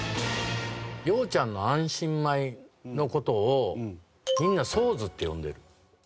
洋ちゃんの安心米の事をみんなソーズって呼んでる。